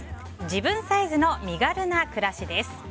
自分サイズの身軽な暮らしです。